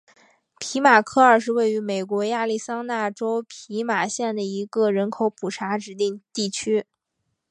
皮马科二是位于美国亚利桑那州皮马县的一个人口普查指定地区。